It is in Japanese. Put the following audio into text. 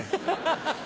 ハハハハ。